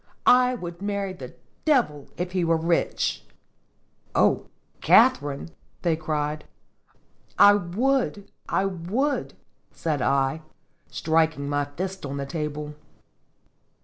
I would marry the Devil if he were rich !"" Oh, Katharine !" they cried. "I would! I would!" said I, striking my fist on the table.